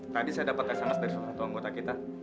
tadi saya dapat tes hangat dari suatu anggota kita